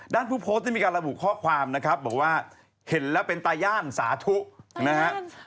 ผู้โพสต์ได้มีการระบุข้อความนะครับบอกว่าเห็นแล้วเป็นตาย่านสาธุนะครับ